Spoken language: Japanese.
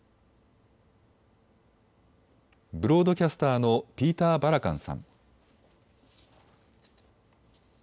ブロードキャスターのピーター・バラカンさん。